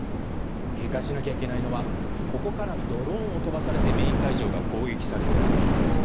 警戒しなきゃいけないのはここからドローンを飛ばされてメイン会場が攻撃されることなんです。